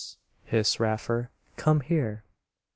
hissed Raffer. "Come here!"